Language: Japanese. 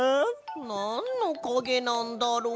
なんのかげなんだろう？